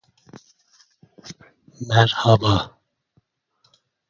It was decided to return to a cork ball in light of this.